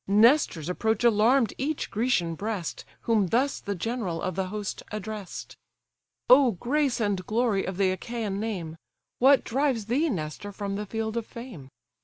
Nestor's approach alarm'd each Grecian breast, Whom thus the general of the host address'd: "O grace and glory of the Achaian name; What drives thee, Nestor, from the field of fame?